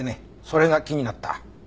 それが気になった。